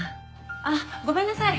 あっごめんなさい。